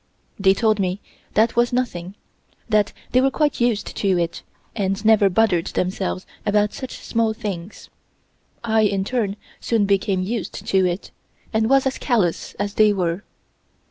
They told me that was nothing; that they were quite used to it and never bothered themselves about such small things. I in turn soon became used to it, and was as callous as they were.